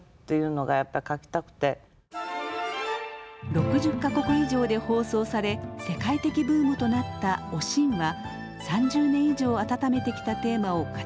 ６０か国以上で放送され世界的ブームとなった「おしん」は３０年以上温めてきたテーマを形にしたものでした。